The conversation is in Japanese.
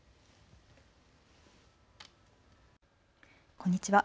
こんにちは。